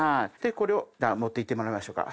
これを持っていってもらいましょうか。